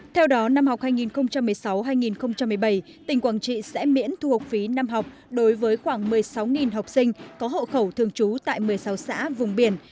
theo đó năm học hai nghìn một mươi sáu hai nghìn một mươi bảy tỉnh quảng trị sẽ miễn thu học phí năm học đối với khoảng một mươi sáu học sinh có hộ khẩu thường trú tại một mươi sáu xã vùng biển